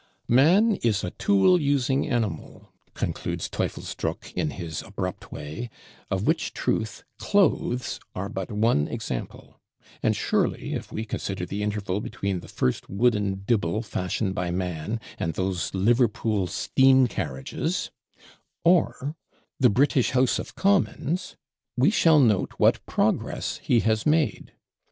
"Man is a Tool using Animal," concludes Teufelsdröckh in his abrupt way; "of which truth Clothes are but one example: and surely if we consider the interval between the first wooden Dibble fashioned by man, and those Liverpool Steam carriages, or the British House of Commons, we shall note what progress he has made.